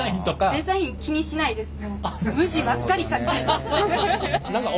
デザイン気にしないです。